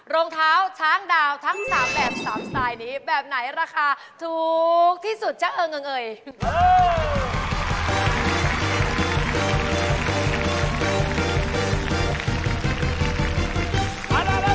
รองเท้าช้างดาวทั้ง๓แบบ๓สไตล์นี้แบบไหนราคาถูกที่สุดจะเอิงเอิงเอ่ย